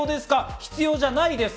必要じゃないですか？